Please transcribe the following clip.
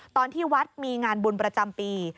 ตอนที่วัดมีงานบุญประจำปี